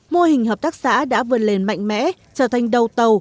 mô hình hợp tác xã đã vươn lên mạnh mẽ trở thành đầu tàu